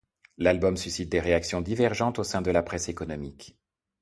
L'album suscite des réactions divergentes au sein de la presse économique.